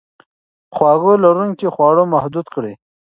خواږه لرونکي خواړه محدود کړئ.